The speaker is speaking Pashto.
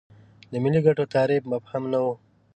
د ملي ګټو تعریف مبهم نه و.